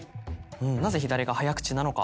なぜ左が「早口」なのか。